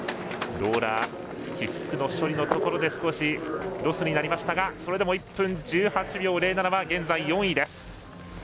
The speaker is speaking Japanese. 起伏の処理のところで少しロスになりましたがそれでも１分１８秒０７は現在４位です。